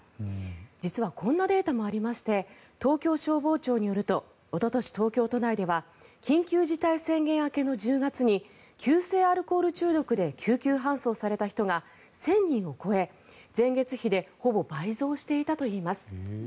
実は、こんなデータもありまして東京消防庁によりますとおととし、東京都内では緊急事態宣言明けの１０月に急性アルコール中毒で救急搬送された人が１０００人を超え、前月比でほぼ倍増していたといいます。